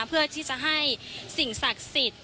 เพื่อที่จะให้สิ่งศักดิ์สิทธิ์